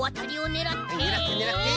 ねらってねらって。